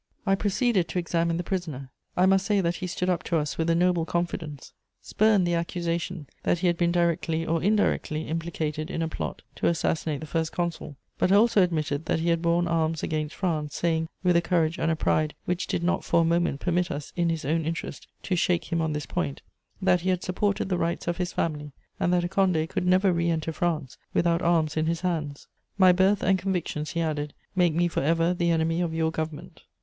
] "I proceeded to examine the prisoner; I must say that he stood up to us with a noble confidence, spurned the accusation that he had been directly or indirectly implicated in a plot to assassinate the First Consul; but also admitted that he had borne arms against France, saying, with a courage and a pride which did not for a moment permit us, in his own interest, to shake him on this point, 'that he had supported the rights of his family, and that a Condé could never re enter France without arms in his hands. My birth and convictions,' he added, 'make me for ever the enemy of your government.'